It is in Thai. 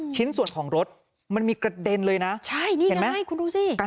ชิ้นส่วนของรถมันมีกระเด็นเลยนะ